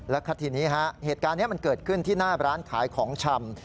และทีนี้เหตุการณ์นี้มันเกิดขึ้นที่หน้าร้านขายของชำ